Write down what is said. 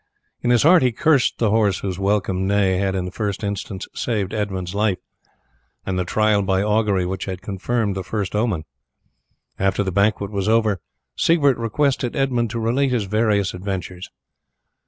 In his heart he cursed the horse whose welcoming neigh had in the first instance saved Edmund's life, and the trial by augury which had confirmed the first omen. After the banquet was over Siegbert requested Edmund to relate his various adventures.